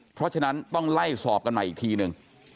เพราะฉะนั้นต้องไล่สอบกันใหม่อีกทีหนึ่ง